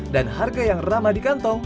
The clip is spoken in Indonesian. harga yang ramah di kantong